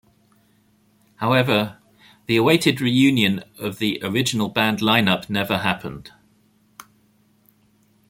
However, the awaited reunion of the original band line up never happened.